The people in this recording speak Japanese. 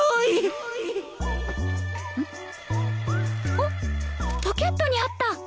あっポケットにあった！